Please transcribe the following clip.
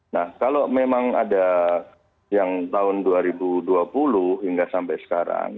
nah kalau memang ada yang tahun dua ribu dua puluh hingga sampai sekarang